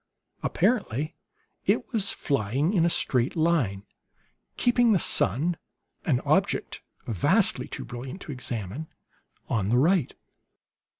Apparently it was flying in a straight line, keeping the sun an object vastly too brilliant to examine on the right.